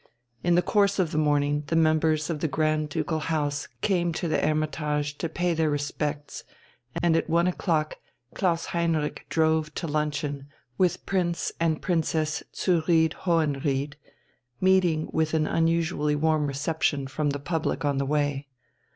In the course of the morning the members of the Grand Ducal House came to the "Hermitage" to pay their respects, and at one o'clock Klaus Heinrich drove to luncheon with Prince and Princess zu Ried Hohenried, meeting with an unusually warm reception from the public on the way.